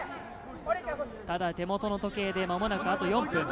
手元の時計で間もなくあと４分。